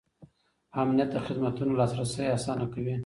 امنیت د خدمتونو لاسرسی اسانه کوي.